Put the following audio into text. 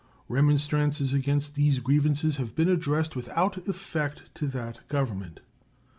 Remonstrances against these grievances have been addressed without effect to that Government.